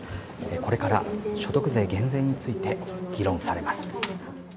これから所得税減税について議論されます。